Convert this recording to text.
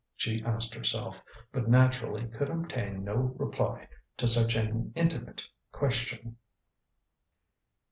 she asked herself, but naturally could obtain no reply to such an intimate question.